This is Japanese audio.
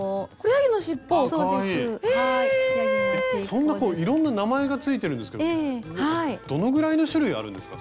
そんなこういろんな名前が付いてるんですけどどのぐらいの種類あるんですか？